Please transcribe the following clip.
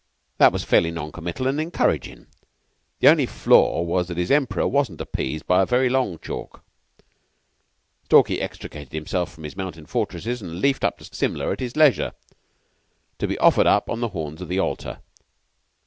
That was fairly non committal and encouragin'. The only flaw was that his Emperor wasn't appeased by very long chalks. Stalky extricated himself from his mountain fastnesses and loafed up to Simla at his leisure, to be offered up on the horns of the altar."